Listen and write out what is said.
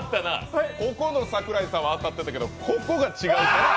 ここの桜井さんは当たったけどここが違うから。